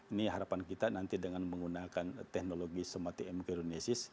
ini harapan kita nanti dengan menggunakan teknologi somatic amperinesis